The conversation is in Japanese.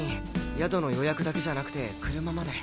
宿の予約だけじゃなくて車まで。